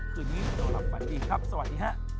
คืนนี้เราหลับฝันดีครับสวัสดีฮะ